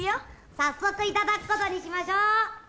早速いただくことにしましょう。